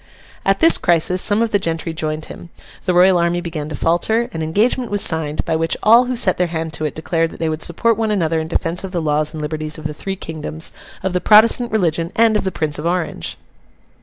At this crisis, some of the gentry joined him; the Royal army began to falter; an engagement was signed, by which all who set their hand to it declared that they would support one another in defence of the laws and liberties of the three Kingdoms, of the Protestant religion, and of the Prince of Orange.